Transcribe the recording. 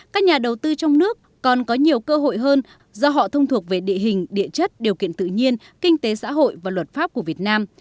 các nhà đầu tư trong nước còn có nhiều cơ hội hơn do họ thông thuộc về địa hình địa chất điều kiện tự nhiên kinh tế xã hội và luật pháp của việt nam